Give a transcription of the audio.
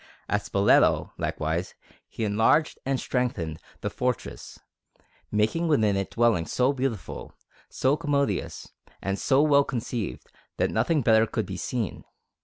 At Spoleto, likewise, he enlarged and strengthened the fortress, making within it dwellings so beautiful, so commodious, and so well conceived, that nothing better could be seen.